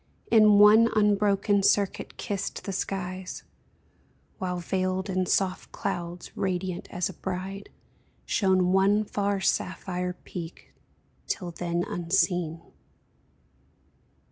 In one unbroken circuit kissed the skies ; While, veiled in soft clouds, radiant as a bride, Shone one far sapphire peak till then unseen